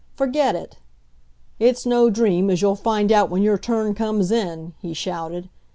'Forget it.' 'It's no dream, as you'll find out when your turn comes in time,' he shouted.